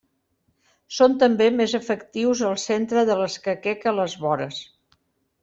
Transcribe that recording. Són també més efectius al centre de l'escaquer que a les vores.